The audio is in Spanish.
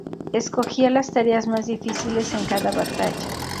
Escogía las tareas más difíciles en cada batalla.